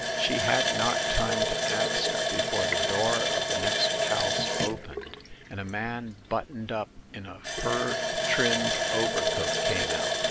She had not time to answer before the door of the next house opened, and a man buttoned up in a fur trimmed overcoat came out.